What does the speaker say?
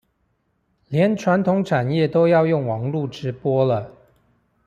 連傳統產業都要用網路直播了